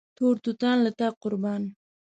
تور توتان له تا قربان